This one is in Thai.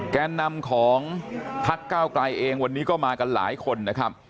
แกนนำของพักเก้าไกลเองวันนี้ก็มากันหลายคนนะครับ